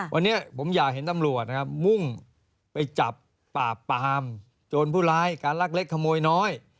วันนี้ผมอยากเห็นตำรวจนะครับมุ่งไปจับปราบปามโจรผู้ร้ายการรักเล็กขโมยน้อย